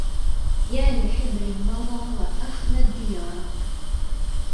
يا لحبر مضى وأخلى الديارا